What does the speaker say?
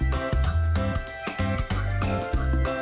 แม่อยากกินอะไร